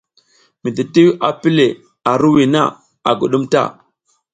Mititiw a pi le ar hiriwiy na, a guɗum ta.